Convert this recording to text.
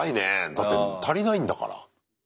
だって足りないんだから。